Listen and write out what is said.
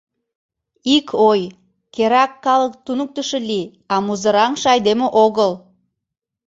Ик ой: керак калык туныктышо лий, а музыраҥше айдеме огыл.